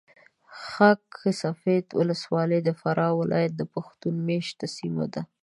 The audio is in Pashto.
خاک سفید ولسوالي د فراه ولایت پښتون مېشته سیمه ده .